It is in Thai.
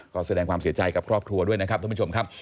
ก็แสดงความเสียใจกับครอบครัวด้วยนะครับท่านผู้ชมครับ